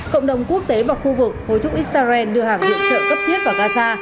cộng đồng quốc tế và khu vực hồi chúc israel đưa hàng viện chở cấp thiết vào gaza